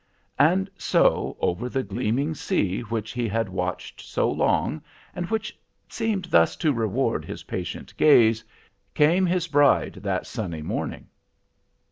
"And so, over the gleaming sea which he had watched so long, and which seemed thus to reward his patient gaze, came his bride that sunny morning.